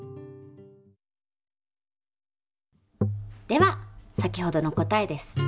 では先ほどの答えです。